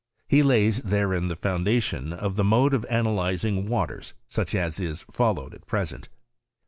He lays therein the foundation of the mode of analyzing waters, such as is followed at present.